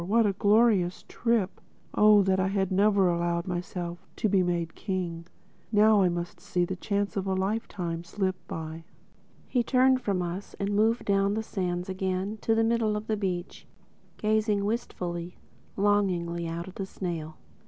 What a glorious trip!—Oh that I had never allowed myself to be made king! Now I must see the chance of a lifetime slip by." He turned from us and moved down the sands again to the middle beach, gazing wistfully, longingly out at the snail.